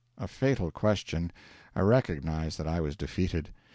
A fatal question. I recognized that I was defeated.